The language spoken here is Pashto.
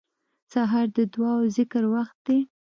سهار د دعا او ذکر وخت دی.